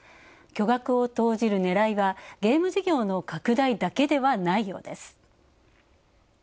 巨額を投じる狙いはゲーム事業の拡大だけではないようです。